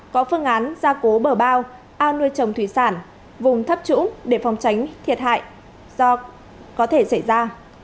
có phương án gia cố bờ bao ao nuôi trồng thủy sản vùng thấp trũng để phòng tránh thiệt hại do có thể xảy ra